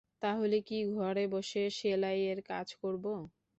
তাহলে কি ঘরে বসে সেলাই এর কাজ করব?